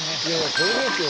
これですよ